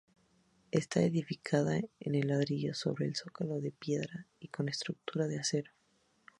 Está edificada en ladrillo sobre zócalo de piedra y con estructura de acero.